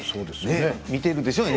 見ているでしょう？